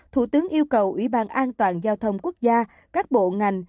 thủ tướng yêu cầu ủy ban an toàn giao thông quốc gia các bộ ngành